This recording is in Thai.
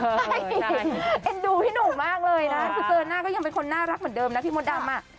ใช่เอ็นดูพี่หนุ่มมากเลยนะคือเจอหน้าก็ยังเป็นคนน่ารักเหมือนเดิมนะพี่มดดำอ่ะ